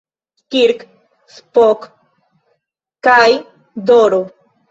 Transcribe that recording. Kirk, Spock kaj D-ro.